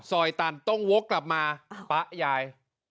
ซอยตันต้องโว๊คกลับมาป๊ายาย